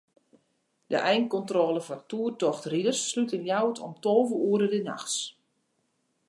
De einkontrôle foar toertochtriders slút yn Ljouwert om tolve oere de nachts.